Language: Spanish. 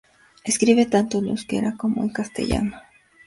Escribe tanto en euskera como en castellano.